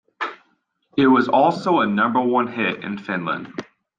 It was also a number-one hit in Finland.